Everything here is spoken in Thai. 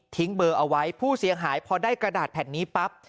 เบอร์เอาไว้ผู้เสียหายพอได้กระดาษแผ่นนี้ปั๊บ